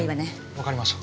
わかりました。